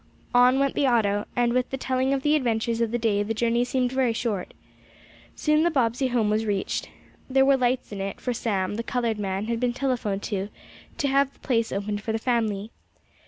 On went the auto, and with the telling of the adventures of the day the journey seemed very short. Soon the Bobbsey home was reached. There were lights in it, for Sam, the colored man, had been telephoned to, to have the place opened for the family.